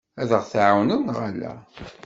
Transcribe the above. Ad aɣ-tɛawneḍ neɣ ala?